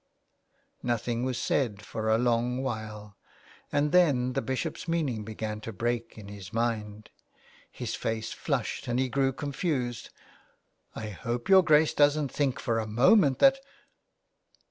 " Nothing was said for a long while, and then the Bishop's meaning began to break in his mind ; his face flushed, and he grew confused. '^ I hope your Grace doesn't think for a moment that